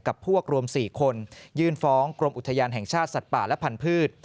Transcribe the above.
กับพวกรวม๔คนยื่นฟ้องกรมอุทยานแห่งชาติสัตว์ป่าและพันธุ์